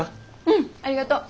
うんありがとう。